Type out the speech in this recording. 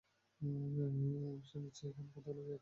সে নিশ্চয়ই এখানে কোথাও লুকিয়ে আছে।